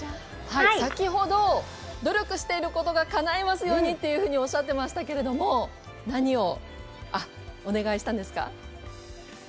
先ほど、努力していることがかないますようにっていうふうにおっしゃってましたけれども、何をお願いしたんですか。